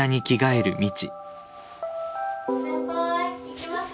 ・先輩行きますよ。